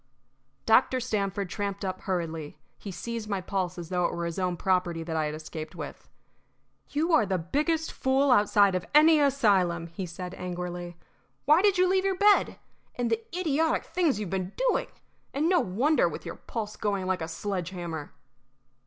Dr. Stamford tramped up hurriedly. He seized my pulse as though it were his own property that I had escaped with. "You are the biggest fool outside of any asylum!" he said, angrily. "Why did you leave your bed? And the idiotic things you've been doing! and no wonder, with your pulse going like a sledge hammer."